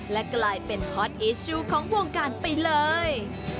และกลายเป็นฮอตอีชูของวงการไปเลย